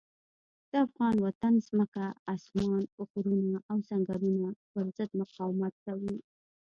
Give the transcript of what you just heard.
د افغان وطن ځمکه، اسمان، غرونه او ځنګلونه پر ضد مقاومت کوي.